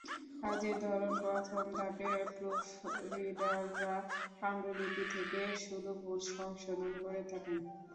কাজের ধরনপ্রথম ধাপে প্রুফ রিডাররা পাণ্ডুলিপি থেকে শুধু ভুল সংশোধন করে থাকেন।